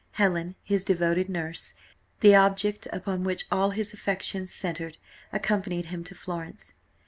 Helen, his devoted nurse, the object upon which all his affections centered, accompanied him to Florence.